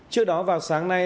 trước đó vào sáng nay